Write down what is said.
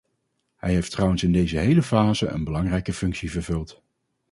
Hij heeft trouwens in deze hele fase een belangrijke functie vervuld.